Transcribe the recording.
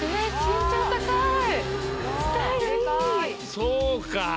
そうか！